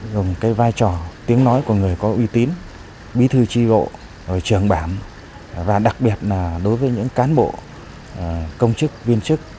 gồm vai trò tiếng nói của người có uy tín bí thư tri vộ trường bản và đặc biệt là đối với những cán bộ công chức viên chức